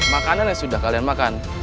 makanan yang sudah kalian makan